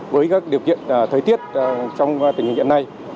với các điều kiện thời tiết trong tình hình hiện nay